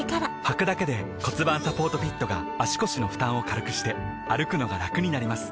はくだけで骨盤サポートフィットが腰の負担を軽くして歩くのがラクになります